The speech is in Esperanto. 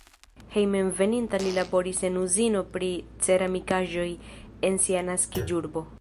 Hejmenveninta li laboris en uzino pri ceramikaĵoj en sia naskiĝurbo.